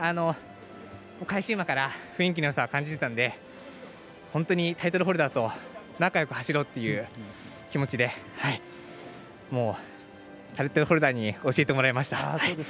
返し馬から雰囲気のよさを感じていたのでタイトルホルダーとなかよく走ろうという気持ちでタイトルホルダーに教えてもらいました。